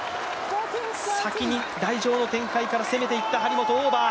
先に台上の展開から攻めていった張本、オーバー。